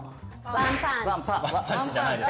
ワンパンチじゃないです